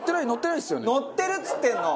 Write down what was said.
のってるっつってんの！